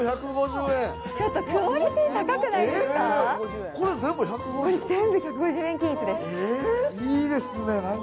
ちょっとクオリティー高くないですか？